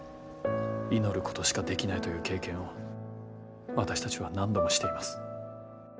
祈ることしかできないという経験を私たちは何度もしています。